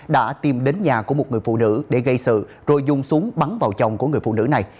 đã tìm đến nhà của một người phụ nữ để gây sự rồi dùng súng bắn vào chồng của người phụ nữ này